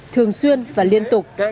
thường xuyên và liên tục